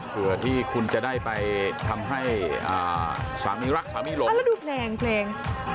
เพื่อที่คุณจะได้ไปทำให้สามีรักสามีหลงแล้วดูเพลงเพลง